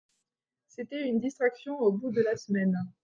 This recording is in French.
C'était une distraction au bout de la semaine.